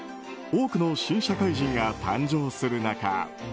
多くの新社会人が誕生する中